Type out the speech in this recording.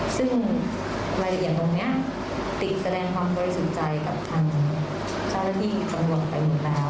ซึ่งรายละเอียมโม้นะติ๊กแสดงความตัวที่สุดใจกับทางท่าระบีตังโม่ไปหมดแล้ว